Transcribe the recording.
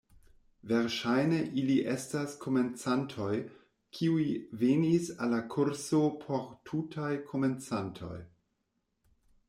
Verŝajne ili estas komencantoj, kiuj venis al la kurso por tutaj komencantoj.